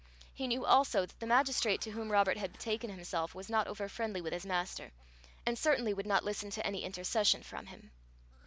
He knew also that the magistrate to whom Robert had betaken himself, was not over friendly with his master, and certainly would not listen to any intercession from him.